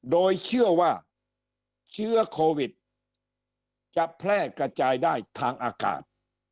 โดยเชื่อว่าเชื้อโควิดจะแพร่กระจายได้ทางอากาศ